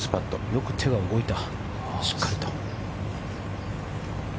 よく手は動いた、しっかりと。